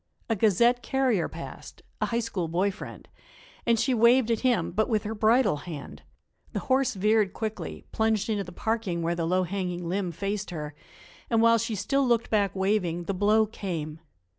A Gazette carrier passed a High School boy friend and she waved at him, but with her bridle hand; the horse veered quickly, plunged into the parking where the low hanging limb faced her, and, while she still looked back waving, the blow came.